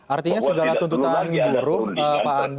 artinya segala tuntutan buruh pak andi